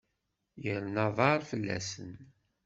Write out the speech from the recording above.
Irna aḍar fell-asen.